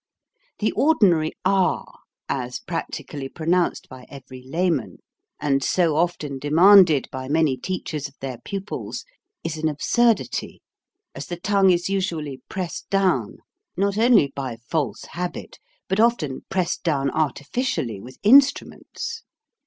The ordinary ah, as practically pronounced by every layman, and so often demanded by many teachers of their pupils, is an absurdity, as the tongue is usually pressed down not only by false habit but often pressed down artificially with instruments.